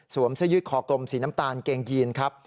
เสื้อยืดคอกลมสีน้ำตาลเกงยีนครับ